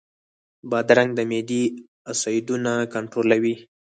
بادرنګ د معدې اسیدونه کنټرولوي.